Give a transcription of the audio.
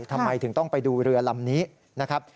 ทำไมถึงต้องไปดูเรือลำนี้นะครับ